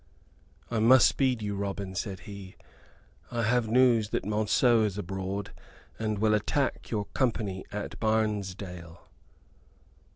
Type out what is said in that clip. "I must speed you, Robin," said he; "I have news that Monceux is abroad, and will attack your company at Barnesdale."